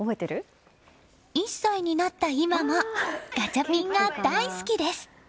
１歳になった今もガチャピンが大好きです！